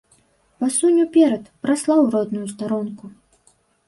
Пасунь уперад, праслаў родную старонку.